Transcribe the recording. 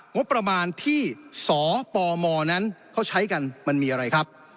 งบประมาณที่สปมนั้นเขาใช้กันมันมีอะไรครับ